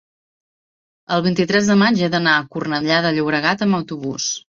el vint-i-tres de maig he d'anar a Cornellà de Llobregat amb autobús.